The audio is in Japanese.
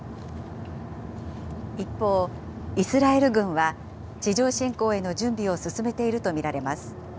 一方、イスラエル軍は、地上侵攻への準備を進めていると見られます。